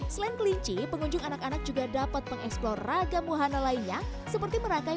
selain kelinci pengunjung anak anak juga dapat mengeksplor ragam wahana lainnya seperti merangkai